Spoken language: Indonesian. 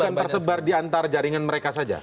bukan tersebar di antar jaringan mereka saja